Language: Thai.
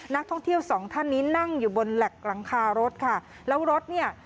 นักท่องเที่ยวสองท่านนี้นั่งอยู่บนแหลกหลังคารถค่ะแล้วรถเนี่ย